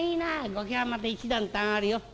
「後家はまた一段と上がるよ」。